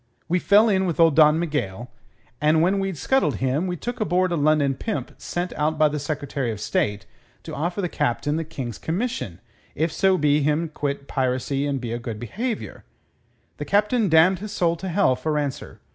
We fell in with old Don Miguel, and when we'd scuttled him we took aboard a London pimp sent out by the Secretary of State to offer the Captain the King's commission if so be him'd quit piracy and be o' good behaviour. The Captain damned his soul to hell for answer.